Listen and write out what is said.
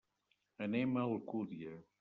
Anem a Alcúdia.